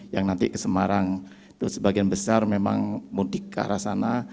yang nanti ke semarang itu sebagian besar memang mudik ke arah sana